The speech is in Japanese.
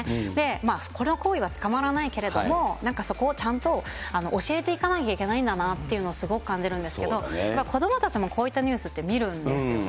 まあ、この行為は捕まらないけれども、なんかそこをちゃんと教えていかなきゃいけないんだなというのをすごく感じるんですけども、子どもたちもこういったニュースって見るんですよね。